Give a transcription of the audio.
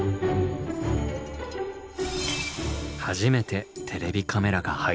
初めてテレビカメラが入ります。